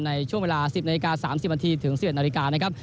ในช่วง๑๐นาที๓๐นาทีถึงเสียงอาฬิกา